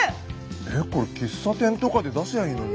これ喫茶店とかで出しゃあいいのに。